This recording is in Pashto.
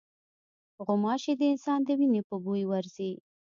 غوماشې د انسان د وینې په بوی ورځي.